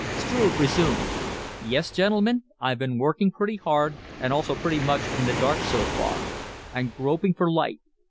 Struve resumed: "Yes, gentlemen, I've been working pretty hard and also pretty much in the dark so far. I'm groping for light.